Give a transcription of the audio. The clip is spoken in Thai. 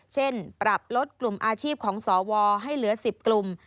เช่นปรับลดกลุ่มอาชีพของสวให้เหลือ๑๐กลุ่ม